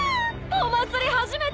お祭り初めて！